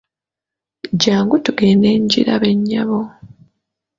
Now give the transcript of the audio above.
Jjangu tugende ngirabe nnyabo.